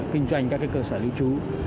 kinh doanh các cơ sở lưu trú